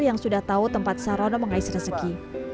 yang sudah tahu tempat sarono mengais rezeki